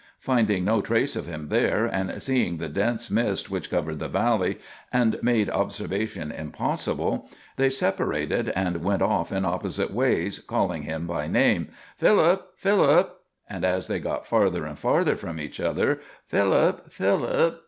Finding no trace of him there, and seeing the dense mist which covered the valley and made observation impossible, they separated and went off in opposite ways, calling him by name, "Philip! Philip!" and as they got farther and farther from each other, "Philip! Philip!"